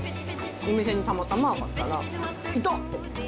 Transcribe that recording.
お店にたまたま上がったら、いた！と思って。